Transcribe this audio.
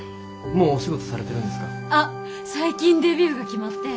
もうお仕事されてるんですか？